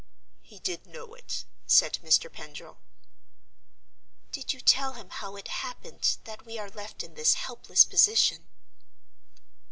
"He did know it," said Mr. Pendril. "Did you tell him how it happened that we are left in this helpless position?"